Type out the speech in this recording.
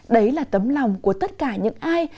đấy là tấm lòng của tất cả những ai